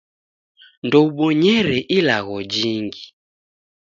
Ndoubonyere ilagho jingi.